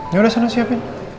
ya udah sana siapin